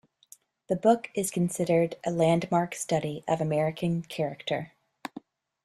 The book is considered a landmark study of American character.